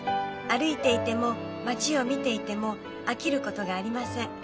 歩いていても街を見ていても飽きることがありません。